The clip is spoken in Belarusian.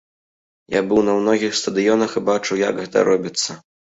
Я быў на многіх стадыёнах і бачыў, як гэта робіцца.